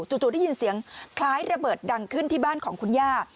จู่ได้ยินเสียงคล้ายระเบิดดังขึ้นที่บ้านของคุณย่า